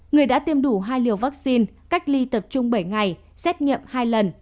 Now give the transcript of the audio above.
người đã tiêm đủ hai liều vaccine cách ly tập trung bảy ngày xét nghiệm hai lần